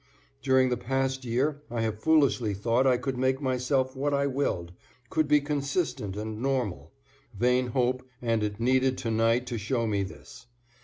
During the past year I have foolishly thought I could make myself what I willed, could be consistent and normal; vain hope and it needed to night to show me this.